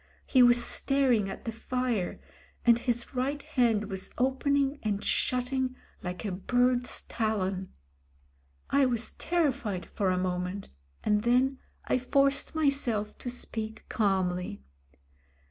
He was staring at the fire, and his right hand was opening aiid shutting like a bird's talon. I was terrified for a moment, and then I forced myself to speak calmly.